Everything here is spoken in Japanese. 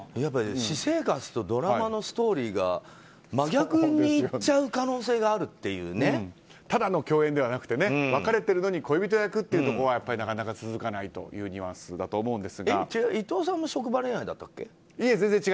私生活とドラマのストーリーが真逆にいっちゃう可能性がただの共演じゃなくて別れてるのに恋人役というのはなかなか続かないという伊藤さんも職場恋愛だったっけ。